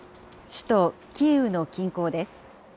首都キーウの近郊です。